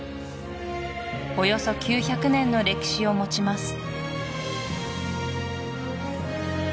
およそ９００年の歴史を持ちます